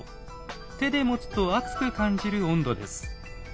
手で持つと熱く感じる温度です。